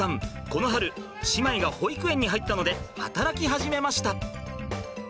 この春姉妹が保育園に入ったので働き始めました。